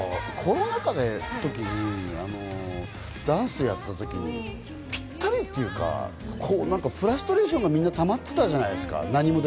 コロナ禍の時にダンスやった時にぴったりというか、フラストレーションがみんな、たまっていたじゃないですか。